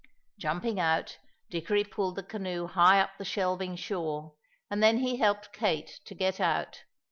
Jumping out, Dickory pulled the canoe high up the shelving shore, and then he helped Kate to get out.